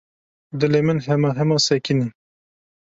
Dilê min hema hema sekinî.